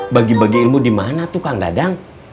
bagi bagi ilmu dimana tuh kang dadang